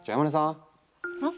うん？